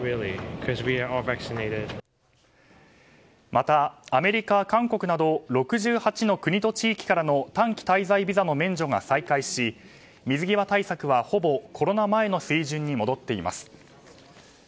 またアメリカ、韓国など６８の国と地域から短期滞在ビザの免除が再開し水際対策はほぼコロナ前の水準に戻っています。